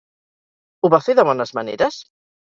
Ho va fer de bones maneres?